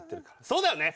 そうだよね！